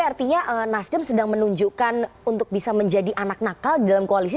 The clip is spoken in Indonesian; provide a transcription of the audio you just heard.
artinya nasdem sedang menunjukkan untuk bisa menjadi anak nakal di dalam koalisi